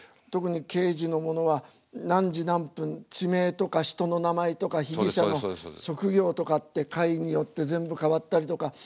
特に刑事のものは何時何分地名とか人の名前とか被疑者の職業とかって回によって全部変わったりとか。